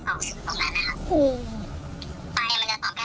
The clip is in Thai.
สมมติว่าเรามามองไกลใช่ไหม